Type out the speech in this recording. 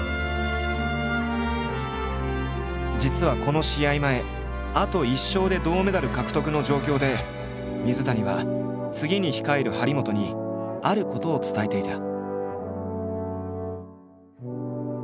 実はこの試合前あと１勝で銅メダル獲得の状況で水谷は次に控える張本にあることを伝えていた。